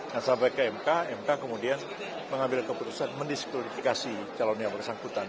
dan sampai ke mk mk kemudian mengambil keputusan mendiskualifikasi calon yang bersangkutan